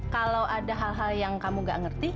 kalau ada hal hal yang kamu gak ngerti